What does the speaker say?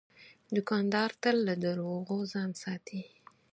دوکاندار تل له دروغو ځان ساتي.